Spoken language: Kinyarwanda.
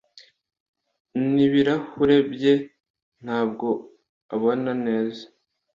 N'ibirahure bye, ntabwo abona neza.